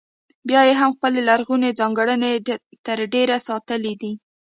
بیا یې هم خپلې لرغونې ځانګړنې تر ډېره ساتلې دي.